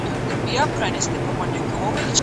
اوس نو د ځان ملامتولو وخت نه دی